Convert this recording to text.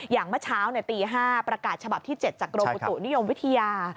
อย่างเมื่อเช้าตี๕ประกาศฉบับที่๗จากโรงประตูนิยมวิทยา